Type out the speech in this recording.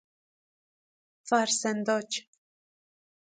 فرسنداج